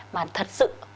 mà thật sự